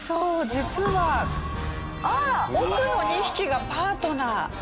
実は奥の２匹がパートナー。